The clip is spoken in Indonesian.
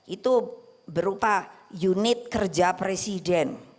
itu berupa unit kerja presiden